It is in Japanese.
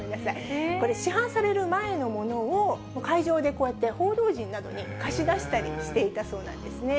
これ、市販される前のものを、会場でこうやって報道陣などに貸し出していたそうなんですね。